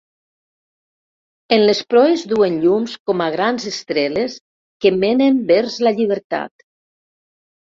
En les proes duen llums com a grans estreles que menen vers la llibertat.